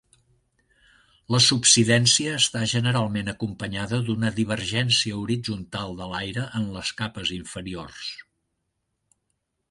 La subsidència està generalment acompanyada d'una divergència horitzontal de l'aire en les capes inferiors.